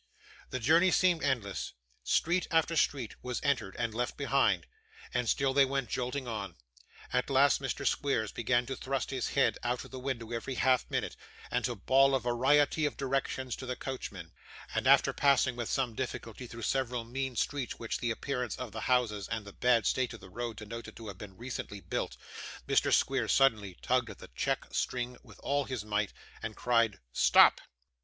The journey seemed endless; street after street was entered and left behind; and still they went jolting on. At last Mr. Squeers began to thrust his head out of the widow every half minute, and to bawl a variety of directions to the coachman; and after passing, with some difficulty, through several mean streets which the appearance of the houses and the bad state of the road denoted to have been recently built, Mr. Squeers suddenly tugged at the check string with all his might, and cried, 'Stop!